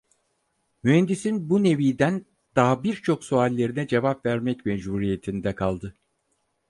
Mühendisin bu neviden daha birçok suallerine cevap vermek mecburiyetinde kaldı.